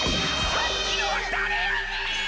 さっきのはだれやねん！